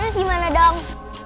terus gimana dong